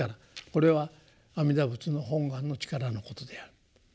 これは阿弥陀仏の本願の力のことである。